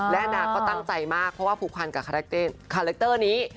และนาก็ตั้งใจมากเพราะว่าผูกพันกับคาแรคเตอร์นี้